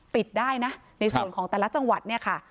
ปิดได้นะในส่วนของแต่ละจังหวัดเนี่ยค่ะ